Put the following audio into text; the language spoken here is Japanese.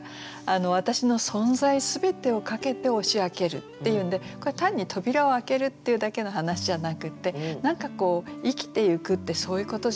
わたしの存在全てをかけて押し開けるっていうんでこれ単に扉を開けるっていうだけの話じゃなくて何かこう生きていくってそういうことじゃない？って。